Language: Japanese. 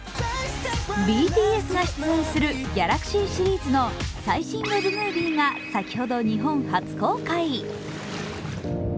ＢＴＳが出演するギャラクシーシリーズの最新ウェブムービーが先ほど日本初公開。